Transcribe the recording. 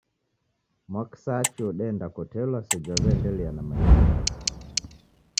Mwakisachi odenda kotelwa seji wawendelea na maisha ghake